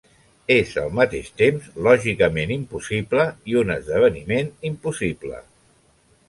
És al mateix temps lògicament impossible i un esdeveniment impossible.